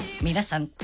［皆さん。